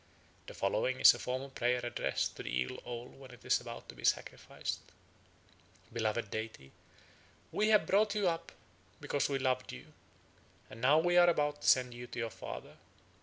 The following is the form of prayer addressed to the eagle owl when it is about to be sacrificed: "Beloved deity, we have brought you up because we loved you, and now we are about to send you to your father.